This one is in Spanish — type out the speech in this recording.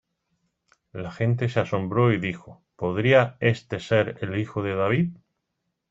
La gente se asombró y dijo: "¿Podría este ser el Hijo de David?